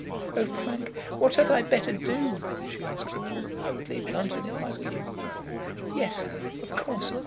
"Oh, Frank, what had I better do?" she asked him. "I would leave London, if I were you." "Yes; of course.